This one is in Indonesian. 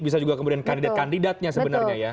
bisa juga kemudian kandidat kandidatnya sebenarnya ya